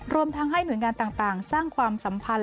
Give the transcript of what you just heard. รวมทั้งให้หน่วยงานต่างสร้างความสัมพันธ์